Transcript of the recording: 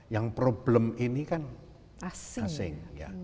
yang problem ini kan asing